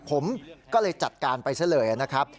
ผมก็เลยจัดการไปซะเลยนะครับ